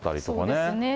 そうですね。